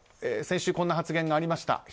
先週こんな発言がありました。